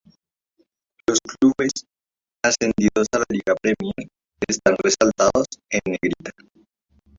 Los clubes ascendidos a la Liga Premier están resaltados en negrita.